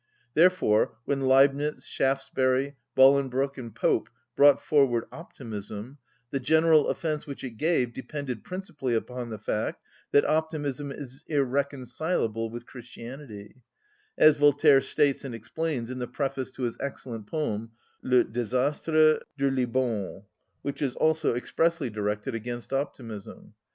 Therefore, when Leibnitz, Shaftesbury, Bolingbroke, and Pope brought forward optimism, the general offence which it gave depended principally upon the fact that optimism is irreconcilable with Christianity; as Voltaire states and explains in the preface to his excellent poem, "Le désastre de Lisbonne," which is also expressly directed against optimism.